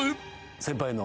先輩の。